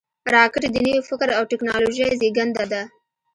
راکټ د نوي فکر او ټېکنالوژۍ زیږنده ده